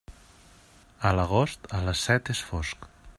A l'agost, a les set és fosc.